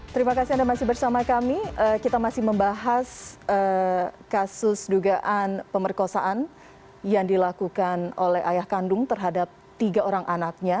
terima kasih anda masih bersama kami kita masih membahas kasus dugaan pemerkosaan yang dilakukan oleh ayah kandung terhadap tiga orang anaknya